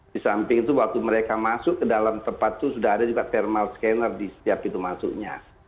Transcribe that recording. di samping itu waktu mereka masuk ke dalam tempat itu sudah ada juga thermal scanner di setiap pintu masuknya